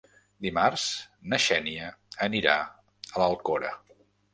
Dimarts na Xènia anirà a l'Alcora.